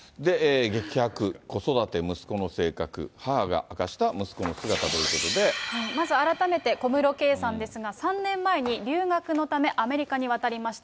激白、子育て、息子の性格、母が明かした息子の姿ということまず改めて、小室圭さんですが、３年前に留学のためアメリカに渡りました。